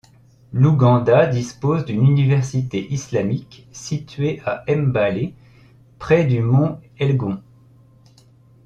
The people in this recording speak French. L'Ouganda dispose d'une université islamique, située à Mbale, près du mont Elgon.